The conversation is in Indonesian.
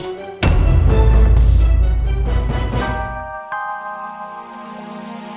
aku akan bikin kamu jatuh sampai kamu gak bisa bangkit lagi